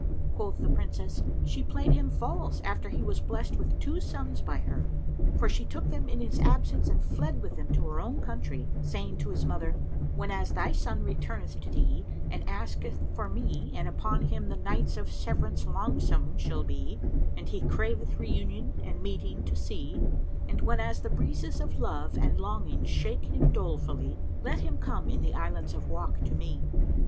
Quoth the Princess, "She played him false after he was blest with two sons by her; for she took them in his absence and fled with them to her own country, saying to his mother: 'Whenas thy son returneth to thee and asketh for me and upon him the nights of severance longsome shall be and he craveth reunion and meeting to see and whenas the breezes of love and longing shake him dolefully, let him come in the Islands of Wak to me.'"